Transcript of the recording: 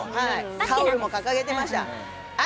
タオルも掲げていました。